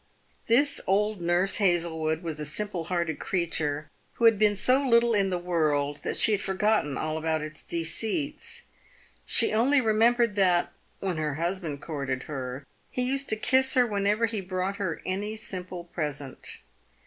This old Nurse Hazlewood was a simple hearted creature who had been so little in the world that she had forgotten all about its deceits. She only remembered that, when her husband courted her, he used to kiss her whenever he brought her any simple present.